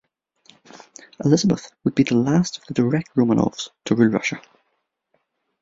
Elizabeth would be the last of the direct Romanovs to rule Russia.